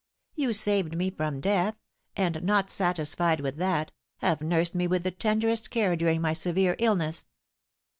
You saved me from death, and, not satisfied with that, have nursed me with the tenderest care during my severe illness."